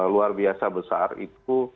luar biasa besar itu